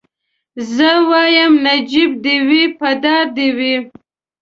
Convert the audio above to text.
زه وايم نجيب دي وي په دار دي وي